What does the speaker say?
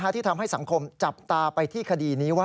ที่ทำให้สังคมจับตาไปที่คดีนี้ว่า